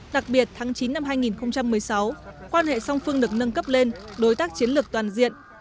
đặc biệt tháng chín năm hai nghìn một mươi sáu quan hệ song phương được nâng cấp lên đối tác chiến lược toàn diện